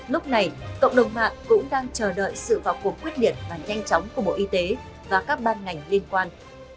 lúc này cộng đồng mạng cũng đang chờ đợi sự vào cuộc quyết liệt và nhanh chóng của bộ y tế và các ban ngành liên quan